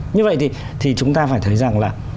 như vậy thì chúng ta phải thấy rằng là